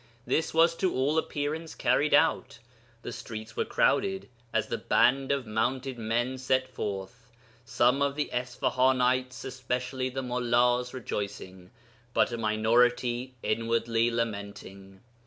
This was to all appearance carried out. The streets were crowded as the band of mounted men set forth, some of the Isfahanites (especially the mullās) rejoicing, but a minority inwardly lamenting.